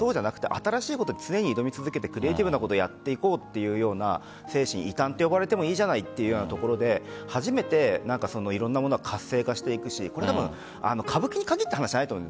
新しいことに常に挑み続けてクリエイティブなことをやっていこうという精神異端と言われてもいいじゃないというところで初めて、いろんなものが活性化していくし歌舞伎に限った話じゃないと思う。